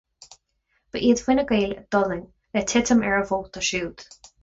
Ba iad Fine Gael a d'fhulaing, le titim ar a vóta siúd.